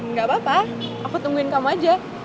nggak apa apa aku tungguin kamu aja